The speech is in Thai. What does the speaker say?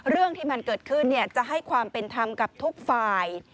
เรื่องที่มันเกิดขึ้นจะให้ความเป็นธรรมกับทุกฝ่าย